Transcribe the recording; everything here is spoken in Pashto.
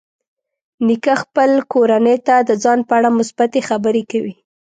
نیکه خپل کورنۍ ته د ځان په اړه مثبتې خبرې کوي.